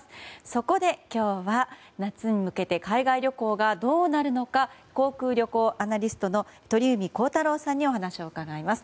そこで、今日は夏に向けて海外旅行がどうなるのか航空・旅行アナリストの鳥海高太朗さんにお話を伺います。